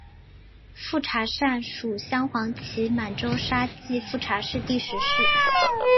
富察善属镶黄旗满洲沙济富察氏第十世。